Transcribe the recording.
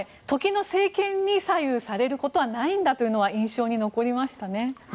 時の政権に左右されることはないんだというのが印象に残りましたね。